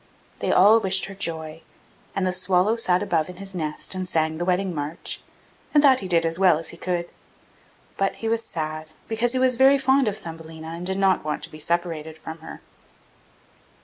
They all wished her joy, and the swallow sat above in his nest and sang the wedding march, and that he did as well as he could; but he was sad, because he was very fond of Thumbelina and did not want to be separated from her.